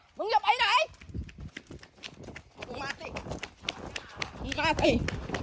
โอ้โหลูกสาวเจ้าขายไก่สดด้วยมอบลงไปเดี๋ยวนี้ไปไหน